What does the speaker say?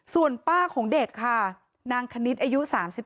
ส่วนป้าของเด็กค่ะนางคณิตอายุ๓๒